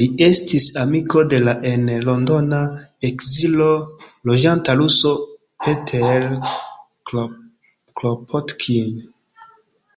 Li estis amiko de la en Londona ekzilo loĝanta ruso Peter Kropotkin.